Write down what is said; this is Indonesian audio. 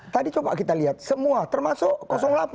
tadi coba kita lihat semua termasuk delapan